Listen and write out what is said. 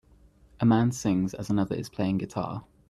A man sings as another is playing guitar.